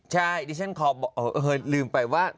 ใช่ดิฉันขอลืมไปว่า